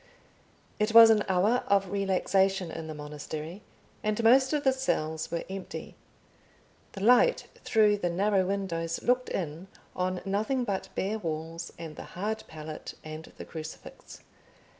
It was an hour of relaxation in the monastery, and most of the cells were empty. The light through the narrow windows looked in on nothing but bare walls, and the hard pallet and the crucifix.